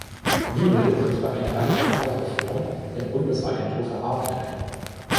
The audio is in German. Niebel tritt für eine radikale Reform der Bundesagentur für Arbeit ein.